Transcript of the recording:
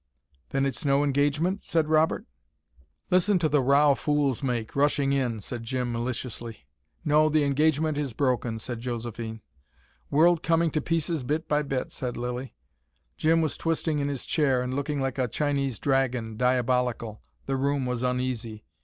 "Then it's no engagement?" said Robert. "Listen to the row fools make, rushing in," said Jim maliciously. "No, the engagement is broken," said Josephine. "World coming to pieces bit by bit," said Lilly. Jim was twisting in his chair, and looking like a Chinese dragon, diabolical. The room was uneasy.